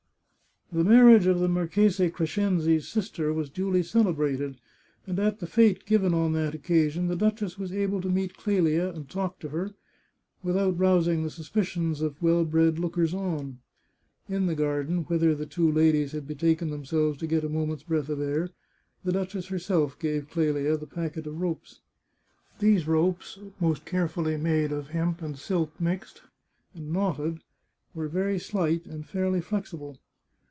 The marriage of the Marchese Crescenzi's sister was duly celebrated, and at the fete given on that occasion, the duchess was able to meet Clelia, and talk to her, without rousing the suspicions of well bred lookers on. In the garden, whither the two ladies had betaken themselves to get a moment's breath of air, the duchess herself gave Clelia the packet of ropes. These ropes, most carefully made of hemp and wool mixed, and knotted, were very slight, and fairly flexible.